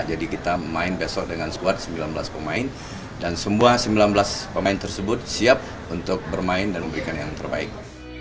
jadi kita main besok dengan squad sembilan belas pemain dan semua sembilan belas pemain tersebut siap untuk bermain dan memberikan yang terbaik